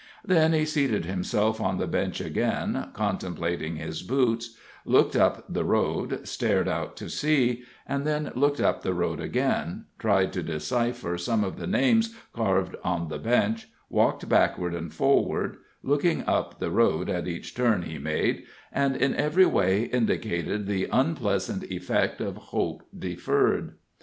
Then he seated himself on the bench again, contemplating his boots, looked up the road, stared out to sea, and then looked up the road again, tried to decipher some of the names carved on the bench, walked backward and forward, looking up the road at each turn he made, and in every way indicated the unpleasant effect of hope deferred.